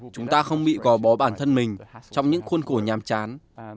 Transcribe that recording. chúng ta không bị gò bó bản thân mình trong những khuôn khổ nhàm chán